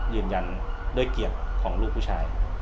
ยืนยันด้วยเกียรติของลูกผู้ชาย